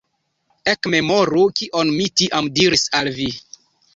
Ekmemoru, kion mi tiam diris al vi!